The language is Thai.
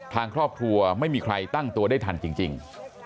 ทางครอบครัวไม่มีใครตั้งตัวได้ทันจริง